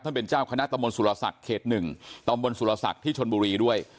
ท่านเป็นเจ้าคณะตำบลสุรษัตริย์เขต๑ตำบลสุรษัตริย์ที่ชนบุรีด้วย